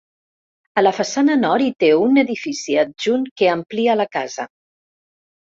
A la façana nord hi té un edifici adjunt que amplia la casa.